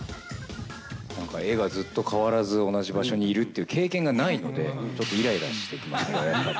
今回、絵がずっと変わらず同じ場所にいるっていう経験がないので、ちょっといらいらしてきましたね。